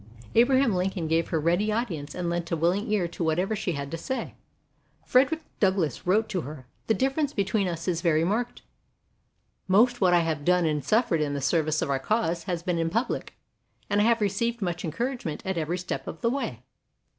Abraham Lincoln gave her ready audience and lent a willing ear to whatever she had to say. Frederick Douglass wrote to her: "The difference between us is very marked. Most that I have done and suf fered in the service of our cause has been in public, and I have received much encourage ment at every step of the way.